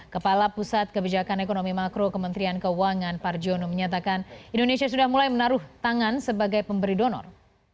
kepala pusat kebijakan ekonomi makro kementerian keuangan parjono menyatakan indonesia sudah mulai menaruh tangan sebagai pemberi donor